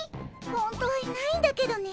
本当はいないんだけどね